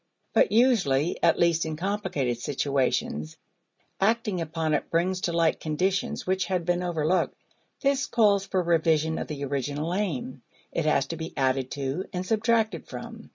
But usually at least in complicated situations acting upon it brings to light conditions which had been overlooked. This calls for revision of the original aim; it has to be added to and subtracted from.